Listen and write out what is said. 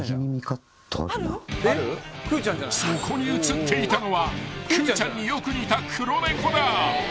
［そこにうつっていたのはくーちゃんによく似た黒猫だ］